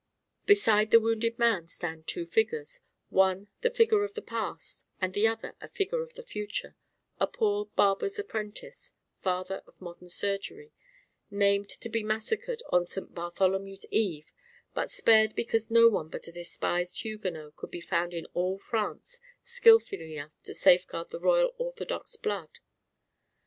Beside the wounded man stand two figures: one the figure of the past; and the other a figure of the future a poor barber's apprentice, father of modern surgery, named to be massacred on St. Bartholomew's eve, but spared because none but a despised Huguenot could be found in all France skilful enough to safeguard the royal orthodox blood.